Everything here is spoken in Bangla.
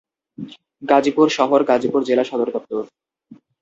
গাজীপুর শহর গাজীপুর জেলা সদরদপ্তর।